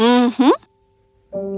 bertemu klien alokasi anggaran